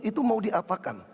itu mau diapakan